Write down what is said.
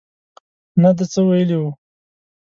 نه ده څه ویلي وو.